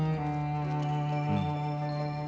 うん。